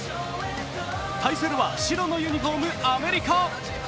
対するは白のユニフォームアメリカ。